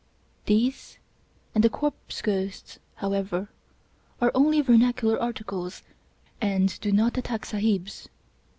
These and the corpse ghosts, however, are only vernacular articles and do not attack Sahibs.